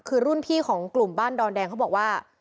คือรุ่นพี่ของกลุ่มบ้านดอนแดงเขาบอกว่า